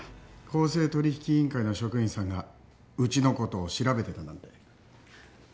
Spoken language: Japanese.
公正取引委員会の職員さんがうちのことを調べてたなんて。